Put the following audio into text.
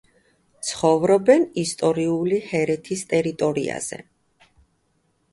ცხოვრობენ ისტორიული ჰერეთის ტერიტორიაზე.